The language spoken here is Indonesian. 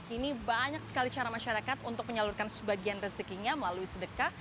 ini banyak sekali cara masyarakat untuk menyalurkan sebagian rezekinya melalui sedekah